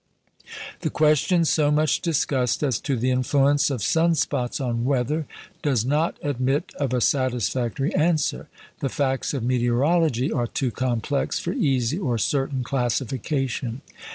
The question so much discussed, as to the influence of sun spots on weather, does not admit of a satisfactory answer. The facts of meteorology are too complex for easy or certain classification.